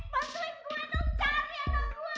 bantuin gue dong cari anak gue